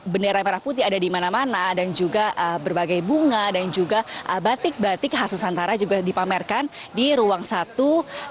bendera merah putih ada di mana mana dan juga berbagai bunga dan juga batik batik khas nusantara juga dipamerkan di ruang satu